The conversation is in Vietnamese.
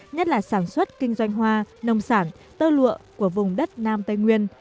nhất là sản xuất kinh doanh hoa nông sản tơ lụa của vùng đất nam tây nguyên